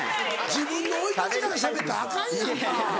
自分の生い立ちからしゃべったらアカンやんか。